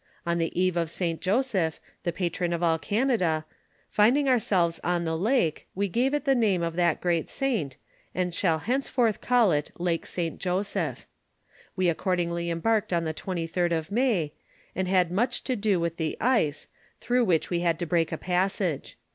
On the eve of St. Joseph, the pa tron of all Canada, finding ourselves on the lake, we gave it the name of that great saint, and shall henceforth call it Lake St. Joseph. "We accordingly embarked on the 23d of May, and had much to do with the ice, through which we had to break a passage.